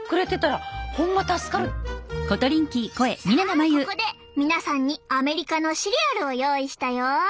さあここで皆さんにアメリカのシリアルを用意したよ。